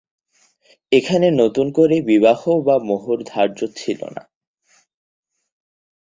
এখানে নতুন করে বিবাহ বা মোহর ধার্য ছিলোনা।